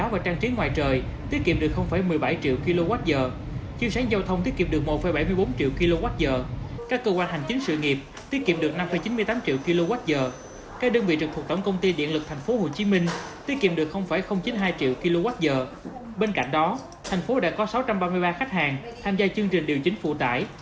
bên cạnh đó tp hcm đã có sáu trăm ba mươi ba khách hàng tham gia chương trình điều chính phụ tải